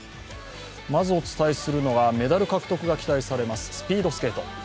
まずお伝えするのはメダル獲得が期待されますスピードスケート。